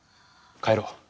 帰ろう。